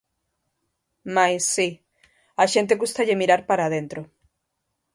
Mais, si, á xente cústalle mirar para dentro.